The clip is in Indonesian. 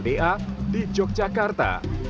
da di yogyakarta